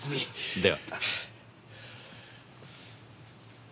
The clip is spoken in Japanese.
では。